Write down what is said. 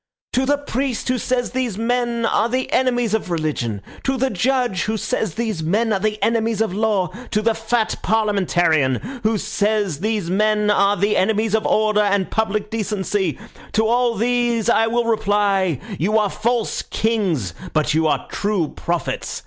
To the priest who says these men are the enemies of religion, to the judge who says these men are the enemies of law, to the fat parliamentarian who says these men are the enemies of order and public decency, to all these I will reply, 'You are false kings, but you are true prophets.